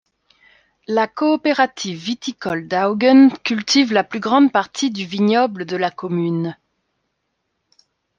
La coopérative viticole d'Auggen cultive la plus grande partie du vignoble de la commune.